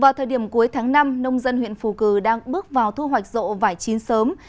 vào thời điểm cuối tháng năm nông dân huyện phù cử đang bước vào thu hoạch rộ vải chín sớm